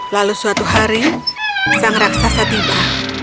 lalu suatu hari sang raksasa tiba